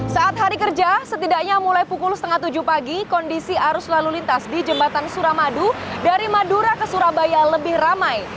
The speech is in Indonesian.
saat hari kerja setidaknya mulai pukul setengah tujuh pagi kondisi arus lalu lintas di jembatan suramadu dari madura ke surabaya lebih ramai